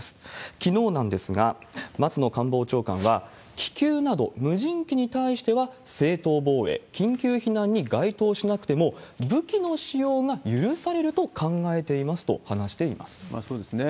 きのうなんですが、松野官房長官は、気球など無人機に対しては正当防衛、緊急避難に該当しなくても、武器の使用が許されると考えていますと話しています。